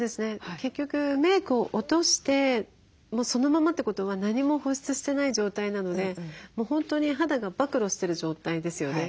結局メークを落としてそのままってことは何も保湿してない状態なので本当に肌が曝露してる状態ですよね。